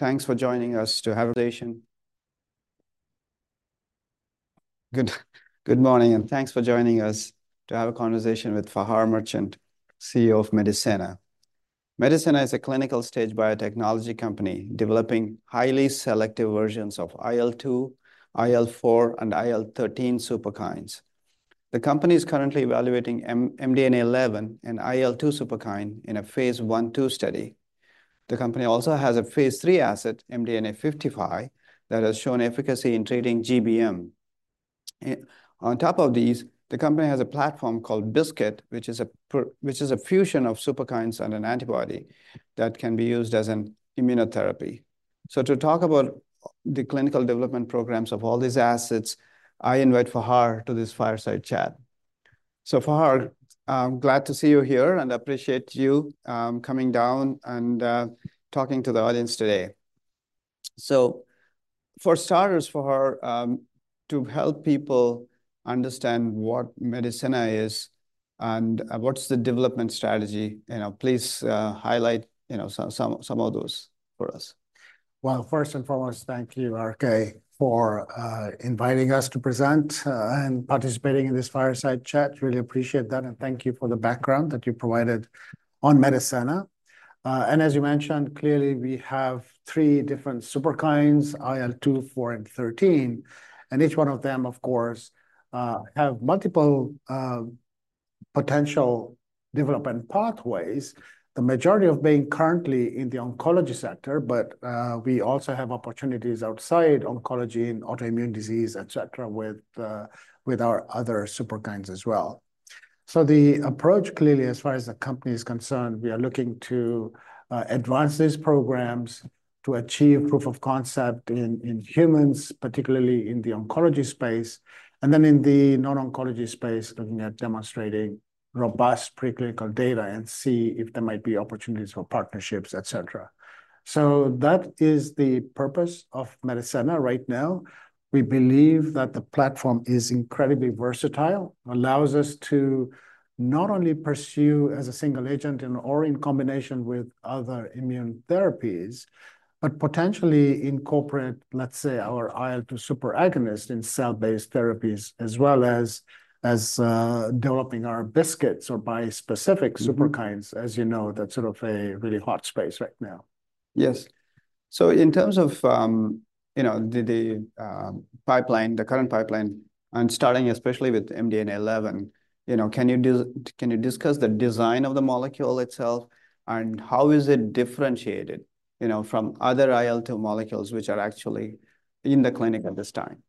Thanks for joining us to have a conversation. Good morning, and thanks for joining us to have a conversation with Fahar Merchant, CEO of Medicenna. Medicenna is a clinical stage biotechnology company developing highly selective versions of IL-2, IL-4, and IL-13 superkines. The company is currently evaluating MDNA11 and IL-2 superkines in a phase I/IIstudy. The company also has a phase III asset, MDNA55, that has shown efficacy in treating GBM. And on top of these, the company has a platform called BiSKITs, which is a fusion of superkines and an antibody that can be used as an immunotherapy. So to talk about the clinical development programs of all these assets, I invite Fahar to this fireside chat. So Fahar, I'm glad to see you here, and appreciate you coming down and talking to the audience today. So for starters, Fahar, to help people understand what Medicenna is and what's the development strategy, you know, please highlight, you know, some of those for us. First and foremost, thank you, RK, for inviting us to present and participating in this fireside chat. Really appreciate that, and thank you for the background that you provided on Medicenna. As you mentioned, clearly we have three different superkines: IL-2, IL-4, and IL-13. Each one of them, of course, have multiple potential development pathways, the majority being currently in the oncology sector. We also have opportunities outside oncology, in autoimmune disease, et cetera, with our other superkines as well. The approach, clearly, as far as the company is concerned, we are looking to advance these programs to achieve proof of concept in humans, particularly in the oncology space, and then in the non-oncology space, looking at demonstrating robust preclinical data, and see if there might be opportunities for partnerships, et cetera. That is the purpose of Medicenna right now. We believe that the platform is incredibly versatile, allows us to not only pursue as a single agent and/or in combination with other immune therapies, but potentially incorporate, let's say, our IL-2 superagonist in cell-based therapies, as well as developing our BiSKITs or bispecific superkines. As you know, that's sort of a really hot space right now. Yes. So in terms of, you know, the pipeline, the current pipeline, and starting especially with MDNA11, you know, can you discuss the design of the molecule itself, and how is it differentiated, you know, from other IL-2 molecules, which are actually in the clinic at this time?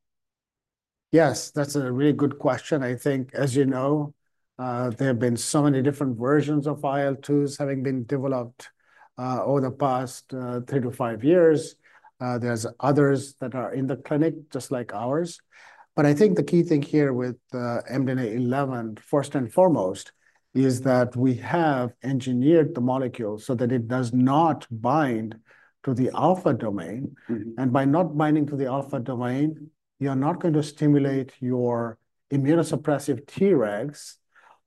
Yes, that's a really good question. I think, as you know, there have been so many different versions of IL-2s having been developed over the past three to five years. There's others that are in the clinic, just like ours. But I think the key thing here with MDNA11, first and foremost, is that we have engineered the molecule so that it does not bind to the alpha domain. By not binding to the alpha domain, you're not going to stimulate your immunosuppressive Tregs.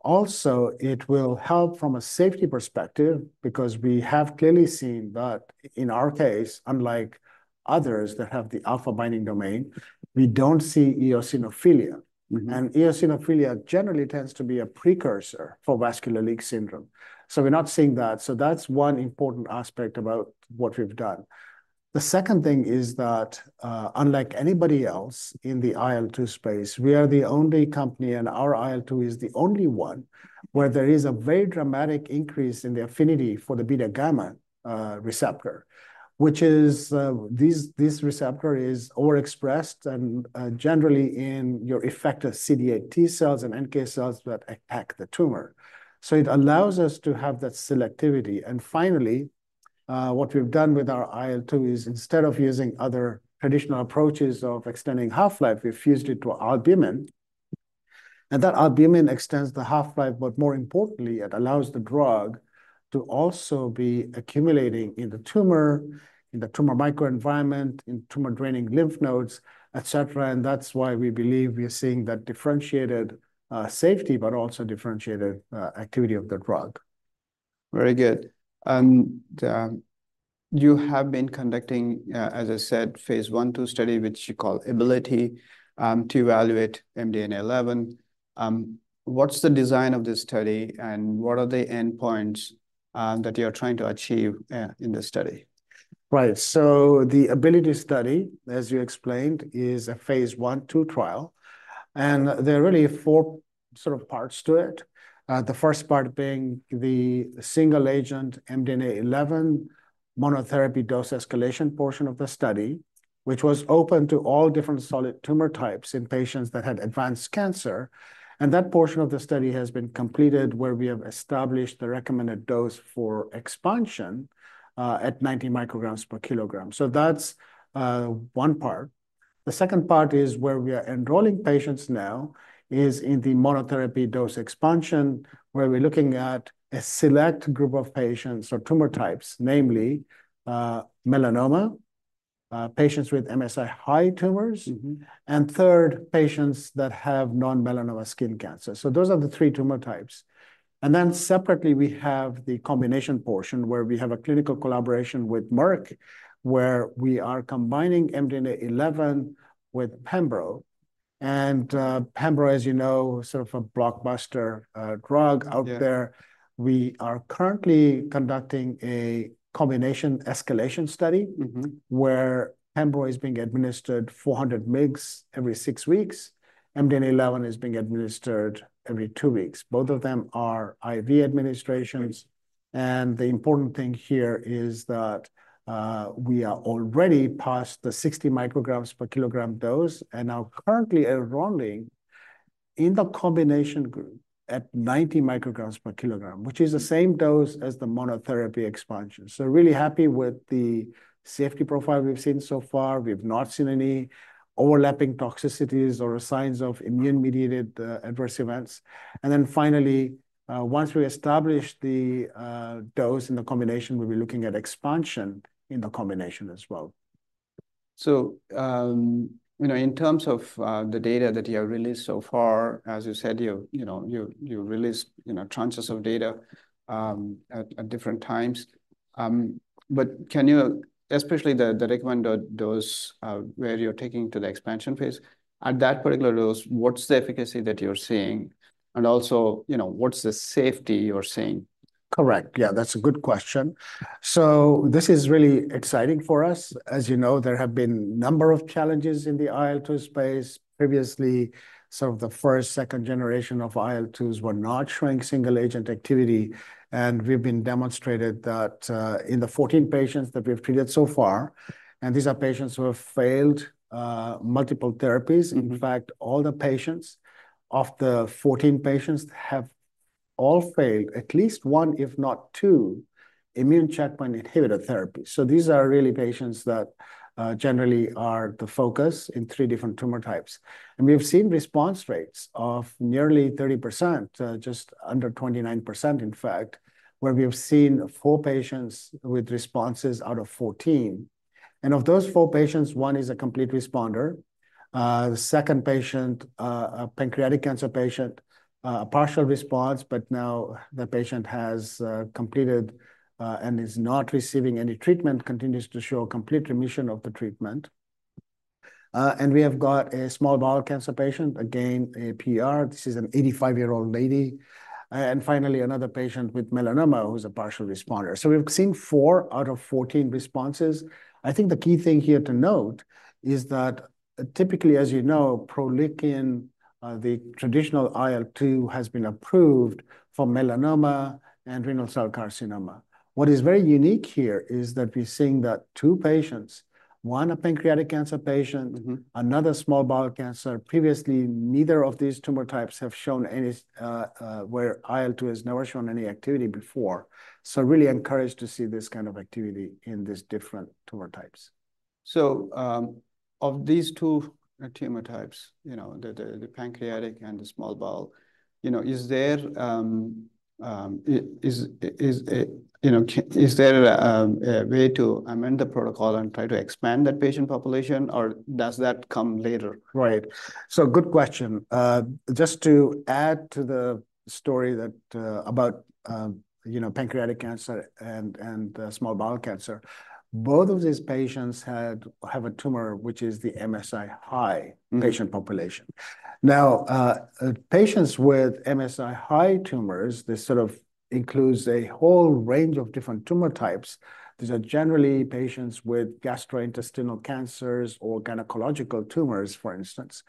Also, it will help from a safety perspective, because we have clearly seen that in our case, unlike others that have the alpha binding domain, we don't see eosinophilia. Eosinophilia generally tends to be a precursor for vascular leak syndrome, so we're not seeing that. That's one important aspect about what we've done. The second thing is that, unlike anybody else in the IL-2 space, we are the only company, and our IL-2 is the only one, where there is a very dramatic increase in the affinity for the beta gamma receptor, which is, this receptor is overexpressed and generally in your effector CD8+ T cells and NK cells that attack the tumor. It allows us to have that selectivity. And finally, what we've done with our IL-2 is, instead of using other traditional approaches of extending half-life, we fused it to albumin, and that albumin extends the half-life, but more importantly, it allows the drug to also be accumulating in the tumor, in the tumor microenvironment, in tumor-draining lymph nodes, et cetera. And that's why we believe we are seeing that differentiated safety, but also differentiated activity of the drug. Very good. And, you have been conducting, as I said, phase I/II study, which you call ABILITY, to evaluate MDNA11. What's the design of this study, and what are the endpoints that you're trying to achieve in the study? Right. So the ABILITY Study, as you explained, is a phase I/II trial, and there are really four sort of parts to it. The first part being the single-agent MDNA11 monotherapy dose escalation portion of the study, which was open to all different solid tumor types in patients that had advanced cancer. And that portion of the study has been completed, where we have established the recommended dose for expansion at 90 mcg/kg. So that's one part. The second part is where we are enrolling patients now, is in the monotherapy dose expansion, where we're looking at a select group of patients or tumor types, namely, melanoma, patients with MSI-high tumors, and third, patients that have non-melanoma skin cancer. So those are the three tumor types. And then separately, we have the combination portion, where we have a clinical collaboration with Merck, where we are combining MDNA11 with Pembro. And, Pembro, as you know, sort of a blockbuster, drug out there. Yeah. We are currently conducting a combination escalation study, where Pembro is being administered 400 mgs every six weeks. MDNA11 is being administered every two weeks. Both of them are IV administrations and the important thing here is that we are already past the 60 mcg/kg dose, and are currently enrolling in the combination group at 90 mcg/kg, which is the same dose as the monotherapy expansion. So really happy with the safety profile we've seen so far. We've not seen any overlapping toxicities or signs of immune-mediated adverse events. And then finally, once we establish the dose and the combination, we'll be looking at expansion in the combination as well. So, you know, in terms of the data that you have released so far, as you said, you know, you released you know tranches of data at different times. But can you, especially the recommended dose where you're taking to the expansion phase, at that particular dose, what's the efficacy that you're seeing? And also, you know, what's the safety you're seeing? Correct. Yeah, that's a good question. So this is really exciting for us. As you know, there have been a number of challenges in the IL-2 space. Previously, some of the first, second generation of IL-2s were not showing single-agent activity, and we've been demonstrated that, in the 14 patients that we've treated so far, and these are patients who have failed, multiple therapies. In fact, all the patients, of the 14 patients, have all failed at least one, if not two, immune checkpoint inhibitor therapy. So these are really patients that generally are the focus in three different tumor types. And we've seen response rates of nearly 30%, just under 29%, in fact, where we have seen four patients with responses out of 14. And of those four patients, one is a complete responder. The second patient, a pancreatic cancer patient, a partial response, but now the patient has completed and is not receiving any treatment, continues to show complete remission of the treatment. And we have got a small bowel cancer patient, again, a PR. This is an 85-year-old lady. And finally, another patient with melanoma who's a partial responder. So we've seen four out of 14 responses. I think the key thing here to note is that typically, as you know, PROLEUKIN, the traditional IL-2, has been approved for melanoma and renal cell carcinoma. What is very unique here is that we're seeing that two patients, one, a pancreatic cancer patient, another, small bowel cancer. Previously, neither of these tumor types have shown any where IL-2 has never shown any activity before. So really encouraged to see this kind of activity in these different tumor types. Of these two tumor types, you know, the pancreatic and the small bowel, you know, is there a way to amend the protocol and try to expand that patient population, or does that come later? Right. So good question. Just to add to the story that, about, you know, pancreatic cancer and, and, small bowel cancer, both of these patients had, have a tumor, which is the MSI-H. Mm. Patient populations. Now, patients with MSI-H tumors, this sort of includes a whole range of different tumor types. These are generally patients with gastrointestinal cancers or gynecological tumors, for instance.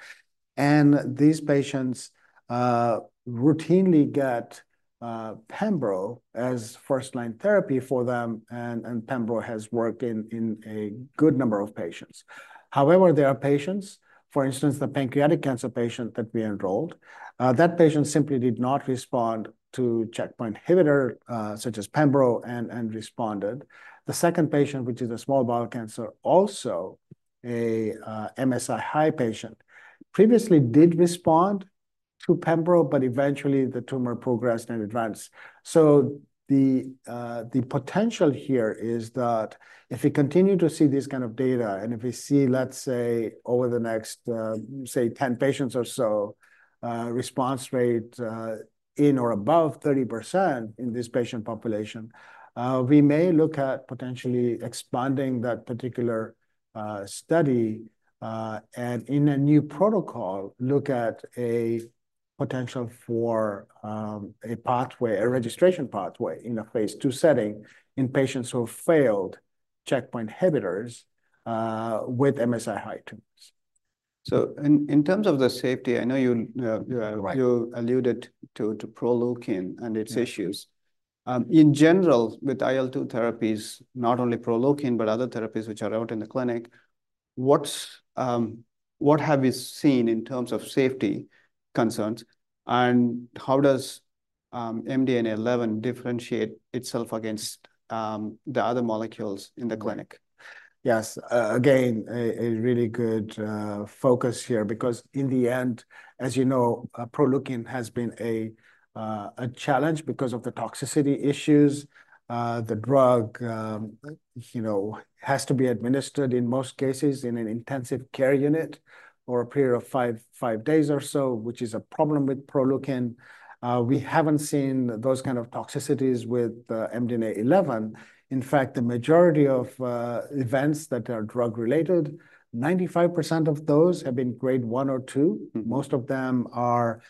And these patients routinely get Pembro as first-line therapy for them, and Pembro has worked in a good number of patients. However, there are patients, for instance, the pancreatic cancer patient that we enrolled, that patient simply did not respond to checkpoint inhibitor such as Pembro, and responded. The second patient, which is a small bowel cancer, also a MSI high patient, previously did respond to Pembro, but eventually the tumor progressed and advanced. So the potential here is that if we continue to see this kind of data, and if we see, let's say, over the next, say, 10 patients or so, response rate in or above 30% in this patient population, we may look at potentially expanding that particular study, and in a new protocol, look at a potential for a pathway, a registration pathway in a phase two setting in patients who failed checkpoint inhibitors with MSI-H tumors. In terms of the safety, I know you. Right. You alluded to PROLEUKIN and its issues. Yeah. In general, with IL-2 therapies, not only PROLEUKIN, but other therapies which are out in the clinic, what have you seen in terms of safety concerns, and how does MDNA11 differentiate itself against the other molecules in the clinic? Yes. Again, a really good focus here, because in the end, as you know, PROLEUKIN has been a challenge because of the toxicity issues. The drug, you know, has to be administered, in most cases, in an intensive care unit for a period of five days or so, which is a problem with PROLEUKIN. We haven't seen those kind of toxicities with MDNA11. In fact, the majority of events that are drug-related, 95% of those have been grade one or two. Most of them are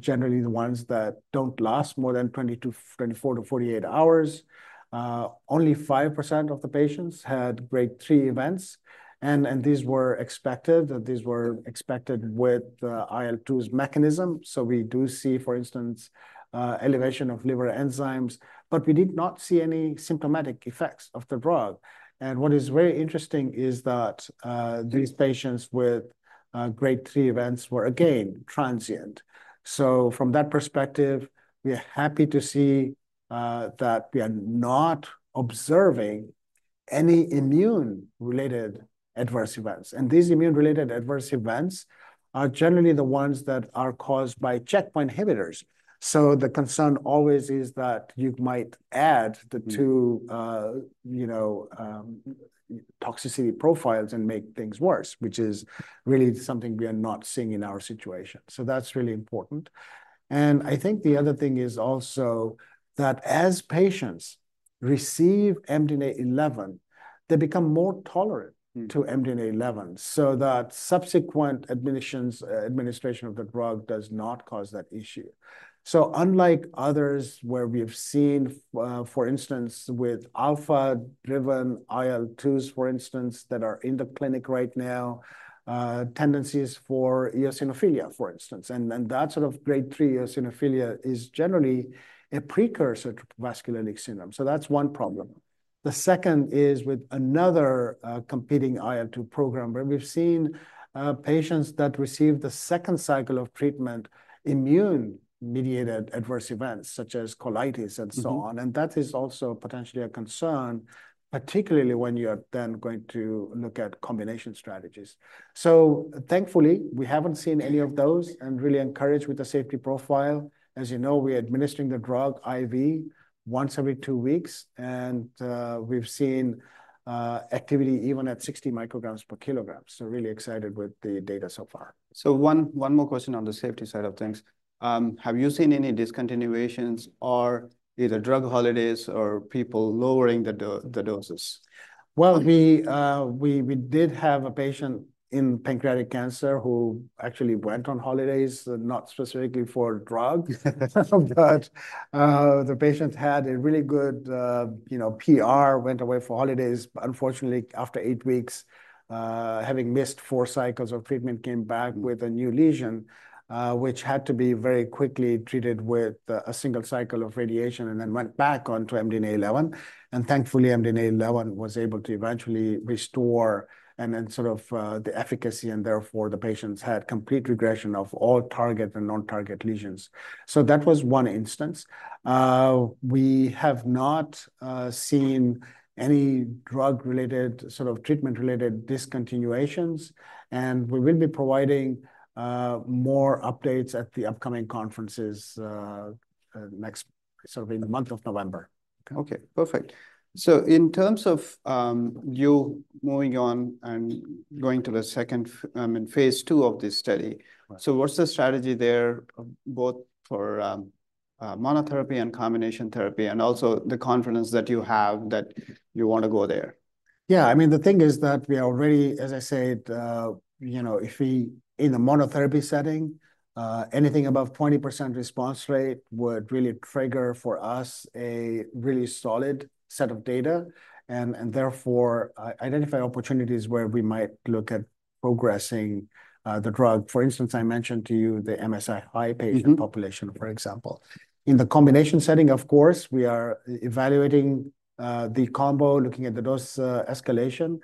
generally the ones that don't last more than 24-48 hours. Only 5% of the patients had grade three events, and these were expected with IL-2's mechanism. So we do see, for instance, elevation of liver enzymes, but we did not see any symptomatic effects of the drug. And what is very interesting is that these patients with grade three events were again transient. So from that perspective, we are happy to see that we are not observing any immune-related adverse events. And these immune-related adverse events are generally the ones that are caused by checkpoint inhibitors. So the concern always is that you might add the two, you know, toxicity profiles and make things worse, which is really something we are not seeing in our situation. So that's really important. And I think the other thing is also that as patients receive MDNA11, they become more tolerant- Mm. To MDNA11, so that subsequent administrations of the drug does not cause that issue. So unlike others, where we have seen, for instance, with alpha-driven IL-2s, for instance, that are in the clinic right now, tendencies for eosinophilia, for instance. And that sort of grade three eosinophilia is generally a precursor to vascular leak syndrome. So that's one problem. The second is with another, competing IL-2 program, where we've seen, patients that received the second cycle of treatment, immune-mediated adverse events, such as colitis and so on. Mm-hmm. And that is also potentially a concern, particularly when you are then going to look at combination strategies. So thankfully, we haven't seen any of those and really encouraged with the safety profile. As you know, we are administering the drug IV once every two weeks, and we've seen activity even at 60 mcg/kg. So really excited with the data so far. One more question on the safety side of things. Have you seen any discontinuations or either drug holidays or people lowering the doses? We did have a patient in pancreatic cancer who actually went on holidays, not specifically for drug. But the patient had a really good, you know, PR, went away for holidays. But unfortunately, after eight weeks, having missed four cycles of treatment, came back with a new lesion, which had to be very quickly treated with a single cycle of radiation and then went back onto MDNA11, and thankfully, MDNA11 was able to eventually restore and then sort of the efficacy, and therefore, the patients had complete regression of all target and non-target lesions. That was one instance. We have not seen any drug-related, sort of treatment-related discontinuations, and we will be providing more updates at the upcoming conferences next, sort of, in the month of November. Okay, perfect. So in terms of you moving on and going to the second in phase II of this study. Right. So what's the strategy there, both for, monotherapy and combination therapy, and also the confidence that you have that you want to go there? Yeah, I mean, the thing is that we are already, as I said, you know, if in a monotherapy setting, anything above 20% response rate would really trigger for us a really solid set of data, and therefore identify opportunities where we might look at progressing the drug. For instance, I mentioned to you the MSI-H patient. Mm-hmm. Population, for example. In the combination setting, of course, we are evaluating the combo, looking at the dose escalation.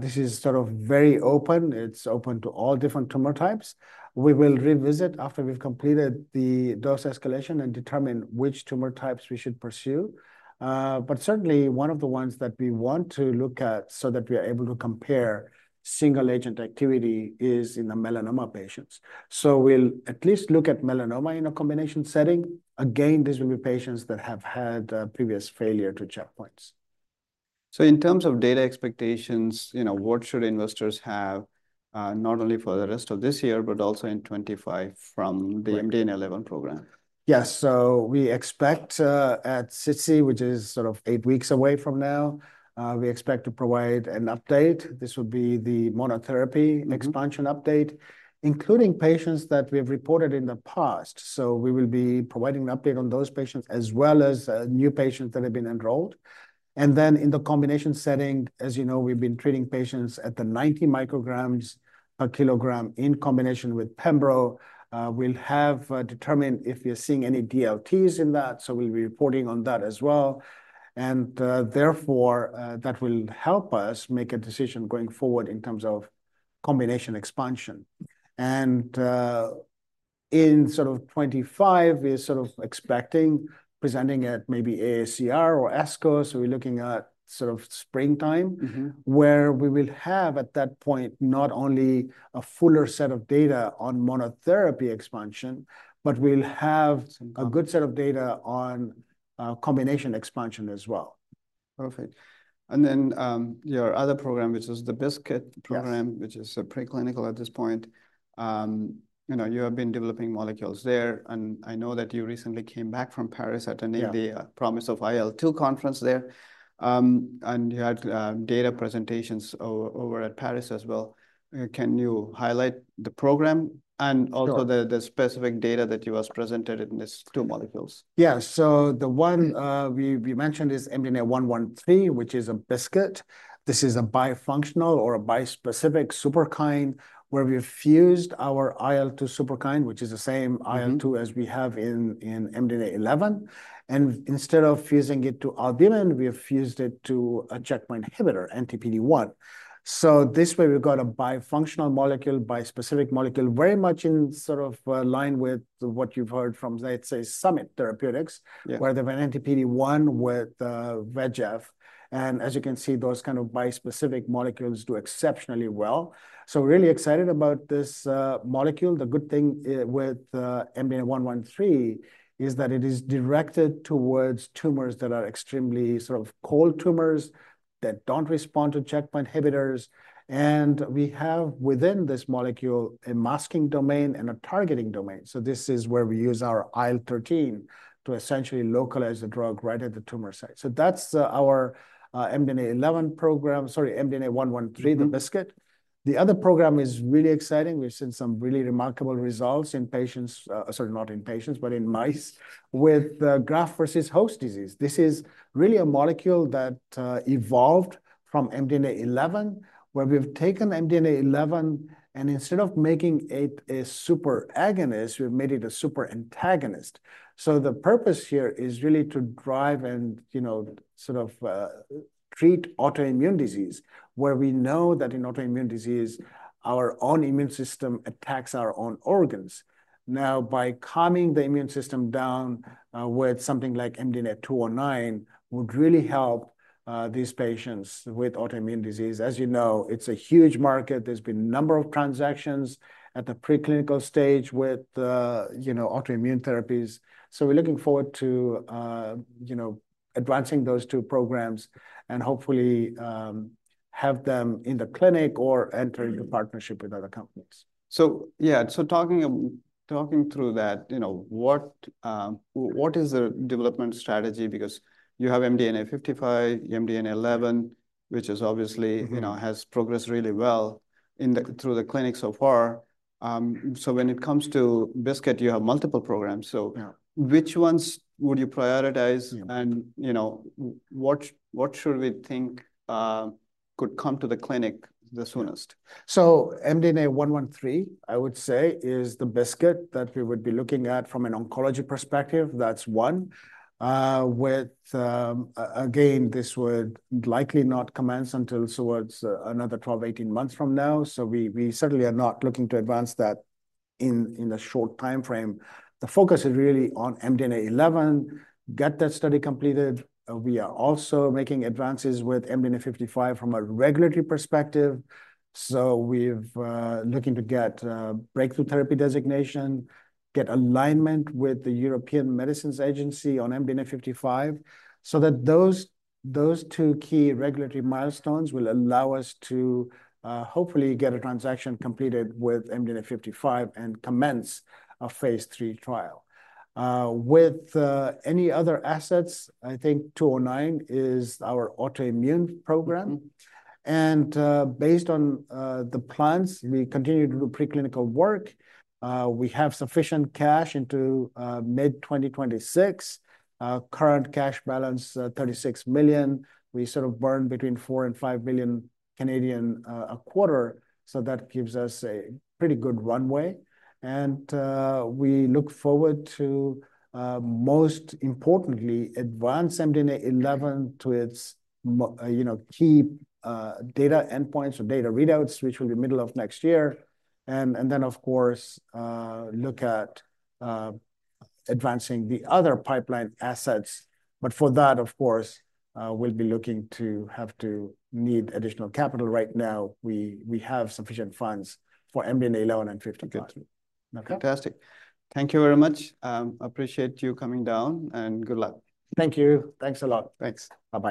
This is sort of very open. It's open to all different tumor types. We will revisit after we've completed the dose escalation and determine which tumor types we should pursue. But certainly, one of the ones that we want to look at so that we are able to compare single agent activity is in the melanoma patients. So we'll at least look at melanoma in a combination setting. Again, these will be patients that have had previous failure to checkpoints. So in terms of data expectations, you know, what should investors have, not only for the rest of this year, but also in 2025 from the MDNA11 program? Yes. So we expect, at SITC, which is sort of eight weeks away from now, we expect to provide an update. This will be the monotherapy expansion update, including patients that we have reported in the past. So we will be providing an update on those patients, as well as new patients that have been enrolled. And then in the combination setting, as you know, we've been treating patients at the 90 mcg/kg in combination with Pembro. We'll have determined if we are seeing any DLTs in that, so we'll be reporting on that as well. And therefore, that will help us make a decision going forward in terms of combination expansion. And in sort of 2025, we're sort of expecting presenting at maybe AACR or ASCO, so we're looking at sort of springtime. Mm-hmm. Where we will have, at that point, not only a fuller set of data on monotherapy expansion, but we'll have a good set of data on, combination expansion as well. Perfect. And then, your other program, which is the BiSKITs program. Yes. Which is a preclinical at this point. You know, you have been developing molecules there, and I know that you recently came back from Paris attending. Yeah. The promise of IL-2 conference there. And you had data presentations over at Paris as well. Can you highlight the program? Sure And also the specific data that you has presented in this two molecules. Yeah. So the one we mentioned is MDNA113, which is a BiSKIT. This is a bifunctional or a bispecific superkine, where we have fused our IL-2 superkine, which is the same IL-2 As we have in MDNA11. Mm-hmm And instead of fusing it to albumin, we have fused it to a checkpoint inhibitor, anti-PD-1. So this way, we've got a bifunctional molecule, bispecific molecule, very much in sort of line with what you've heard from, let's say, Summit Therapeutics. Yeah Where they have an anti-PD-1 with VEGF. And as you can see, those kind of bispecific molecules do exceptionally well. So we're really excited about this molecule. The good thing with MDNA113 is that it is directed towards tumors that are extremely sort of cold tumors that don't respond to checkpoint inhibitors. And we have, within this molecule, a masking domain and a targeting domain. So this is where we use our IL-13 to essentially localize the drug right at the tumor site. So that's our MDNA11 program - sorry, MDNA113, the BiSKITs. Mm-hmm. The other program is really exciting. We've seen some really remarkable results in patients, sorry, not in patients, but in mice, with graft-versus-host disease. This is really a molecule that evolved from MDNA11, where we've taken MDNA11, and instead of making it a super agonist, we've made it a super antagonist. So the purpose here is really to drive and, you know, sort of, treat autoimmune disease, where we know that in autoimmune disease, our own immune system attacks our own organs. Now, by calming the immune system down with something like MDNA209, would really help these patients with autoimmune disease. As you know, it's a huge market. There's been a number of transactions at the preclinical stage with, you know, autoimmune therapies. So we're looking forward to you know, advancing those two programs and hopefully have them in the clinic. Mm-hmm. Or enter a partnership with other companies. So yeah, so talking through that, you know, what is the development strategy? Because you have MDNA55, MDNA11, which is obviously, you know. Mm-hmm. Has progressed really well through the clinic so far. So when it comes to BiSKITs, you have multiple programs. So. Yeah. Which ones would you prioritize? Yeah. You know, what should we think could come to the clinic the soonest? MDNA113, I would say, is the BiSKITs that we would be looking at from an oncology perspective. That's one. With again, this would likely not commence until towards another 12-18 months from now, so we certainly are not looking to advance that in the short time frame. The focus is really on MDNA11, get that study completed. We are also making advances with MDNA55 from a regulatory perspective. We've looking to get breakthrough therapy designation, get alignment with the European Medicines Agency on MDNA55, so that those two key regulatory milestones will allow us to hopefully get a transaction completed with MDNA55 and commence a phase III trial. With any other assets, I think MDNA209 is our autoimmune program. Mm-hmm. Based on the plans, we continue to do preclinical work. We have sufficient cash into mid-2026. Our current cash balance, 36 million. We sort of burn between 4 million and 5 million a quarter, so that gives us a pretty good runway. We look forward to, most importantly, advance MDNA11 to its, you know, key data endpoints or data readouts, which will be middle of next year. Then, of course, look at advancing the other pipeline assets. But for that, of course, we'll be looking to have to need additional capital. Right now, we have sufficient funds for MDNA11 and MDNA55. Good. Okay? Fantastic. Thank you very much. Appreciate you coming down, and good luck. Thank you. Thanks a lot. Thanks. Bye-bye.